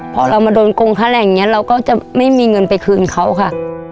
พอเรามาโดนโกงค่าแรงอย่างนี้เราก็จะไม่มีเงินไปคืนเขาค่ะ